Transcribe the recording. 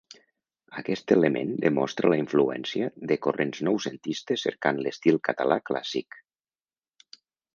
Aquest element demostra la influència de corrents noucentistes cercant l'estil català clàssic.